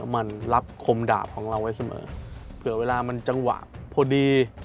มันรับคมดาบของเราไว้เสมอเผื่อเวลามันจังหวะพอดี